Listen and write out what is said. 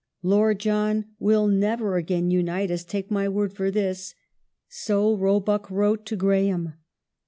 " Lord John will never again unite us, take my word for this." So Roebuck wrote to Graham.